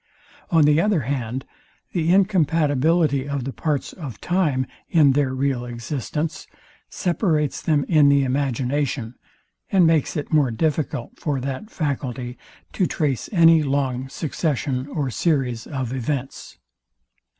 On the other hand, the incompatibility of the parts of time in their real existence separates them in the imagination, and makes it more difficult for that faculty to trace any long succession or series of events.